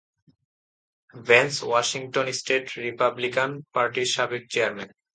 Vance Washington State Republican পার্টির সাবেক chairman.